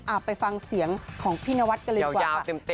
ไปฟังเสียงของพี่นวัดกันเลยดีกว่าค่ะ